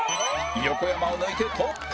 横山を抜いてトップ！